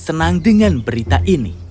senang dengan berita ini